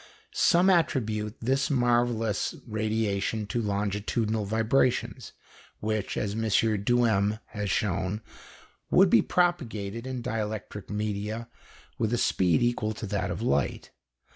Some attribute this marvellous radiation to longitudinal vibrations, which, as M. Duhem has shown, would be propagated in dielectric media with a speed equal to that of light.